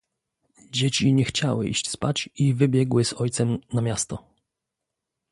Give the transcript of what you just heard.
"Dzieci nie chciały iść spać i wybiegły z ojcem na miasto."